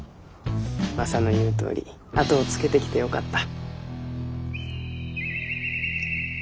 マサの言うとおり後をつけてきてよかった。